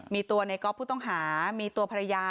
มีตัวในก๊อฟผู้ต้องหามีตัวภรรยา